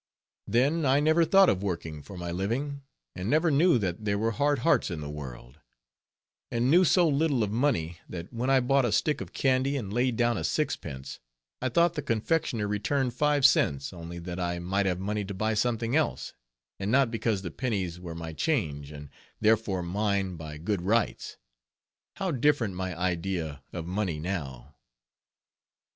Then I never thought of working for my living, and never knew that there were hard hearts in the world; and knew so little of money, that when I bought a stick of candy, and laid down a sixpence, I thought the confectioner returned five cents, only that I might have money to buy something else, and not because the pennies were my change, and therefore mine by good rights. How different my idea of money now!